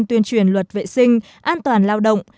tuyên truyền luật vệ sinh an toàn lao động